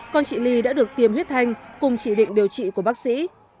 con chị ly đã được tiêm huyết thanh cùng chỉ định điều trị của bác sĩ